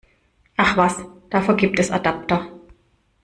Ach was, dafür gibt es Adapter!